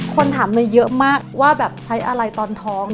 คนถามเนยเยอะมากว่าแบบใช้อะไรตอนท้อง